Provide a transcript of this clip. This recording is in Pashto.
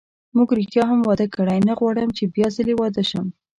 موږ ریښتیا هم واده کړی، نه غواړم چې بیا ځلي واده شم.